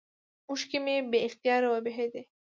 اوښکې مې بې اختياره وبهېدې.